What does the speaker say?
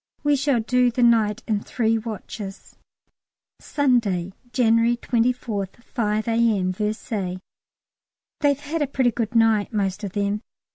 We shall do the night in three watches. Sunday, January 24th, 5 A.M., Versailles. They've had a pretty good night most of them.